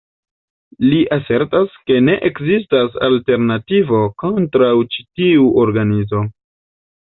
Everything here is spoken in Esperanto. Li asertas, ke ne ekzistas alternativo kontraŭ ĉi tiu organizo.